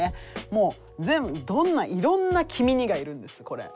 もう全部どんないろんな「きみに」がいるんですこれ。